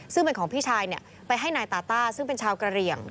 ซึ่งเป็นของพี่ชายไปให้นายตาต้าซึ่งเป็นชาวกระเหลี่ยง